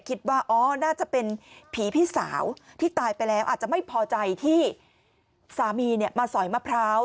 คิดว่าอ๋อน่าจะเป็นผีพี่สาวที่ตายไปแล้วอาจจะไม่พอใจที่สามีมาสอยมะพร้าว